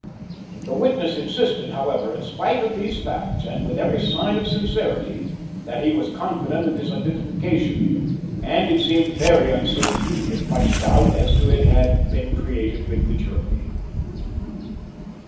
The witness insisted, however, in spite of these facts and with every sign of sincerity, that he was confident of his identification, and it seemed very uncertain if much doubt as to it had been created with the jury.